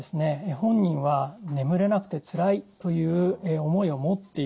本人は眠れなくてつらいという思いを持っているんです。